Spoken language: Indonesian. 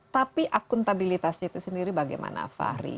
tapi akuntabilitasnya itu sendiri bagaimana fahri